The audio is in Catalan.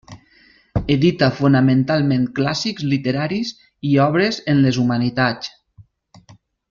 Edita fonamentalment clàssics literaris i obres en les humanitats.